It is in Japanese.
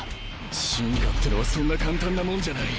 進化ってのはそんな簡単なもんじゃない。